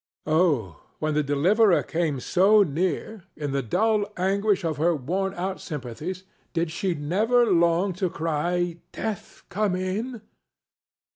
Oh, when the deliverer came so near, in the dull anguish of her worn out sympathies did she never long to cry, "Death, come in"?